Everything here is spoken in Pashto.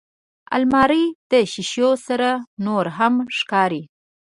الماري د شیشو سره نورهم ښکاري